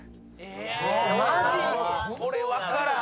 マジ⁉これ分からん。